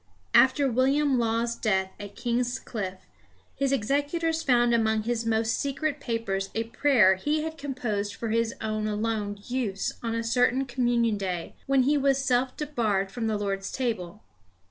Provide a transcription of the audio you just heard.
After William Law's death at King's Cliffe, his executors found among his most secret papers a prayer he had composed for his own alone use on a certain communion day when he was self debarred from the Lord's table.